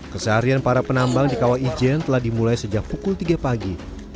keseharian para penambang di kawah ijen telah dimulai sejak pukul tiga pagi